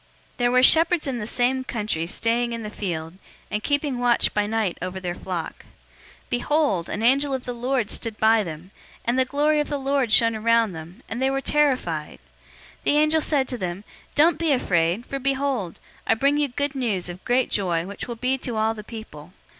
002:008 There were shepherds in the same country staying in the field, and keeping watch by night over their flock. 002:009 Behold, an angel of the Lord stood by them, and the glory of the Lord shone around them, and they were terrified. 002:010 The angel said to them, "Don't be afraid, for behold, I bring you good news of great joy which will be to all the people.